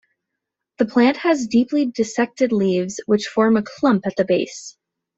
The plant has deeply dissected leaves which form a clump at the base.